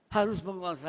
harus menguasai teknologi